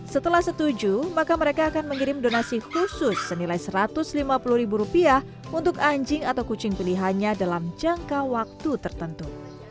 setelah setuju maka mereka akan mengirim donasi khusus senilai satu ratus lima puluh ribu rupiah untuk anjing atau kucing pilihannya dalam jangka waktu tertentu